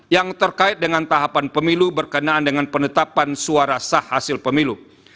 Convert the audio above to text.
yang terkait dengan tahapan pemilu berkenaan dengan penetapan suara sah hasil pemilu